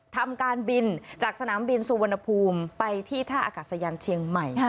ทำการบินจากสนามบินสุวรรณภูมิไปที่ท่าอากาศยานเชียงใหม่